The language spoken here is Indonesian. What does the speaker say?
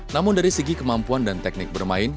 namun dari segi kemampuan dan teknik bermain